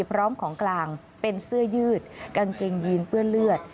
พร้อมของกลางเป็นเสื้อยืดกางเกงยีนเปื้อนเลือด